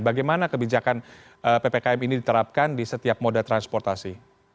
bagaimana kebijakan ppkm ini diterapkan di setiap moda transportasi